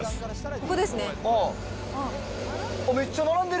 ここですね。